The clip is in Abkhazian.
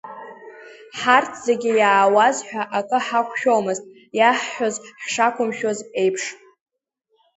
Ҳарҭ зегьы иаауаз ҳәа акы ҳақәшәомызт, иаҳҳәоз ҳшақәымшәоз еиԥш…